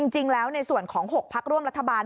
จริงแล้วในส่วนของ๖พักร่วมรัฐบาล